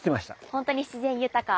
本当に自然豊か。